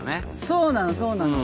そうなのそうなの。